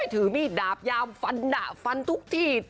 ถือมีดดาบยามฟันดะฟันทุกที่